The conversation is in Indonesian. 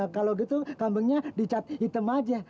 kalau gitu kambangnya dicat hitam aja